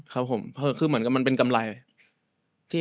ครับผมคือเหมือนกับมันเป็นกำไร